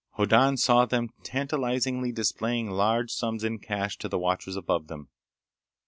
Hoddan saw them tantalizingly displaying large sums in cash to the watchers above them.